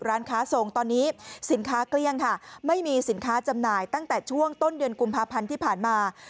ร้านค้าส่งตอนนี้สินค้าเกลี้ยงค่ะไม่มีสินค้าจำหน่ายตั้งแต่ช่วงต้นเดือนกุมภาพันธ์ที่ผ่านมา